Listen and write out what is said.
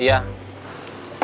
iya terima kasih